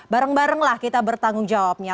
bareng bareng lah kita bertanggung jawabnya